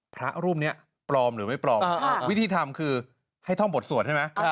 พระรุ่มเนี่ยปรอมหรือไม่ปรอมวิธีทำคือให้ท่องพจสวดใช่ไหมอ่ะ